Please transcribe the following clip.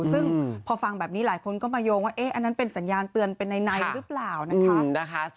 ซึ่งพอฟังแบบนี้หลายคนก็มาโยงว่าอันนั้นเป็นสัญญาณเตือนเป็นในหรือเปล่านะคะ